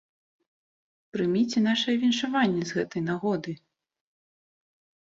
Прыміце нашыя віншаванні з гэтай нагоды!